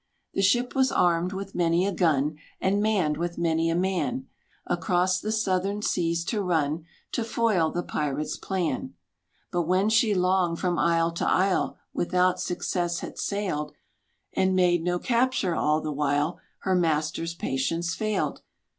The ship was armed with many a gun, And manned with many a man, Across the southern seas to run To foil the pirate's plan. But when she long, from isle to isle, Without success had sailed, And made no capture all the while, Her master's patience failed.